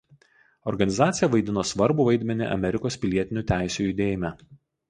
Organizacija vaidino svarbų vaidmenį Amerikos pilietinių teisių judėjime.